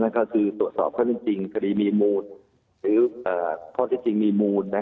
ก็คือตรวจสอบข้อที่จริงคดีมีมูลหรือข้อเท็จจริงมีมูล